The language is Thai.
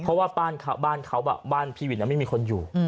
เพราะว่าบ้านเขาบ้านพี่วินไม่มีคนอยู่